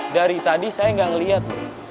dari tadi saya enggak ngelihat